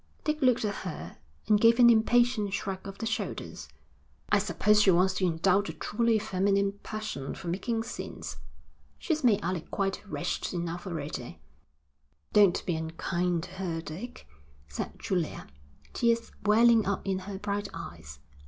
Dick looked at her and gave an impatient shrug of the shoulders. 'I suppose she wants to indulge a truly feminine passion for making scenes. She's made Alec quite wretched enough already.' 'Don't be unkind to her, Dick,' said Julia, tears welling up in her bright eyes.